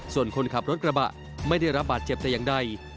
ส่วนคนขับรถกระบะไม่ได้รับบาดเจ็บแต่อย่างใด